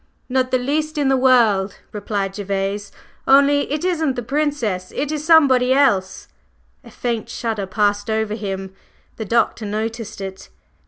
"Not the least in the world," replied Gervase, "only it isn't the Princess, it is somebody else." A faint shudder passed over him. The Doctor noticed it.